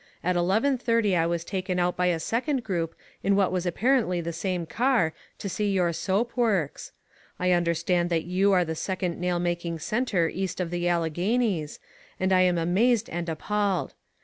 At eleven thirty I was taken out by a second group in what was apparently the same car to see your soap works. I understand that you are the second nail making centre east of the Alleghenies, and I am amazed and appalled.